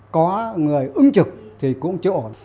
có người ứng trực thì cũng chưa ổn